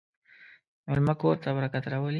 مېلمه کور ته برکت راولي.